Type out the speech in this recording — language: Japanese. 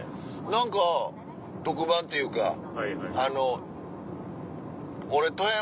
何か特番っていうかあの。